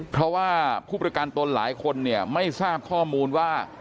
เพราะว่าผู้ประกันตนหลายคนเนี่ยไม่ทราบข้อมูลว่า